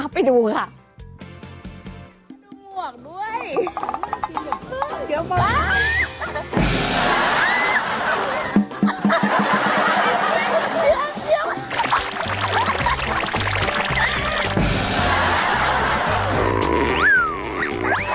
ไปดูค่ะ